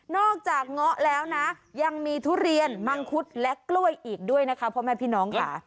อกจากเงาะแล้วนะยังมีทุเรียนมังคุดและกล้วยอีกด้วยนะคะพ่อแม่พี่น้องค่ะ